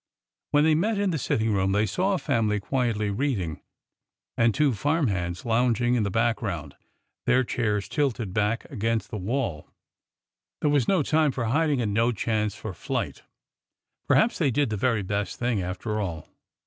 When they met in the sitting room they saw a family quietly reading, and two farm hands lounging in the background— their chairs tilted back against the —AND JONATHAN 247 wall. There was no time for hiding and no chance for flight. Perhaps they did the very best thing, after all.